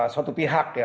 suatu pihak ya